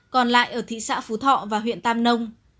còn lại ở thị xã phú thọ và huyện tam nông